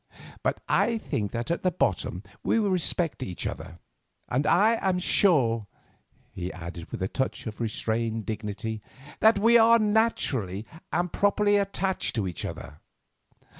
But I think that at the bottom we respect each other, and I am sure," he added with a touch of restrained dignity, "that we are naturally and properly attached to each other.